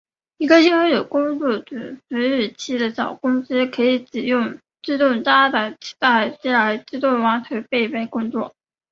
一个拥有工作组服务器的小公司可以使用自动加载磁带机来自动完成备份工作。